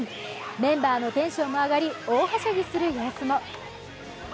メンバーのテンションも上がり大はしゃぎする様子も。